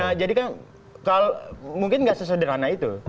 nah jadikan mungkin nggak sesederhana itu